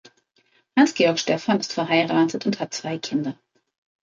Hans-Georg Stephan ist verheiratet und hat zwei Kinder.